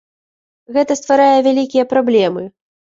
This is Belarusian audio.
Гэта стварае вялікія праблемы.